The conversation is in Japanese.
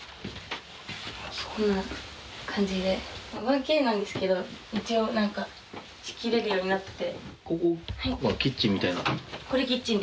こんな感じで１Ｋなんですけど一応仕切れるようになってて。